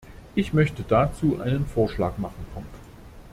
Ich möchte dazu einen Vorschlag machen.